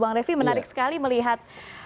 bang refli menarik sekali melihat